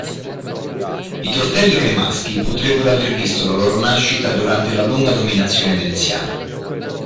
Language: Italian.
I tortelli cremaschi potrebbero aver visto la loro nascita durante la lunga dominazione veneziana.